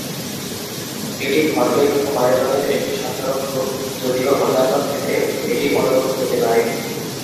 এটি ভরবেগ অপারেটরের একটি সাধারণ রূপ, যদিও অন্যান্য ক্ষেত্রে এটি অন্য রূপ নিতে পারে।